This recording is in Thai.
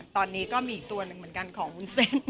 ตอนนี้ก็มีอีกตัวหนึ่งเหมือนกันของวุ้นเส้น